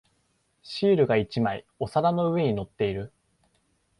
シールが一枚お皿の上に乗っている。